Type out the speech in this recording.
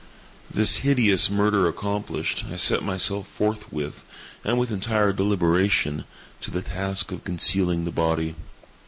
This hideous murder accomplished, I set myself forthwith, and with entire deliberation, to the task of concealing the body.